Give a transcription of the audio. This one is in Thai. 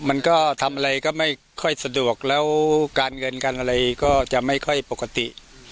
มันก็ทำอะไรก็ไม่ค่อยสะดวกแล้วการเงินการอะไรก็จะไม่ค่อยปกติ